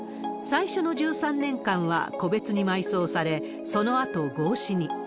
最初の１３年間は個別に埋葬され、そのあと合祀に。